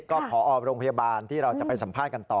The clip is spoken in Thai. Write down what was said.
ก็พอโรงพยาบาลที่เราจะไปสัมภาษณ์กันต่อ